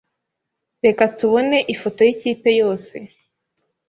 Reka tubone ifoto yikipe yose.